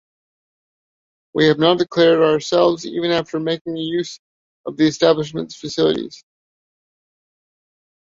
We have not declared ourselves even after making use of the establishment's facilities.